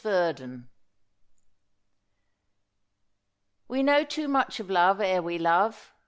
VERDON_ "We know too much of Love ere we love.